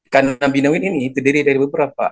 kanabinoid ini terdiri dari beberapa